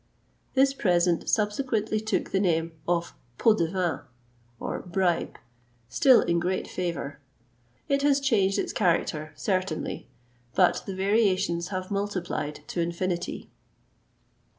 This present subsequently took the name of pot de vin (bribe), still in great favour. It has changed its character, certainly, but the variations have multiplied to infinity.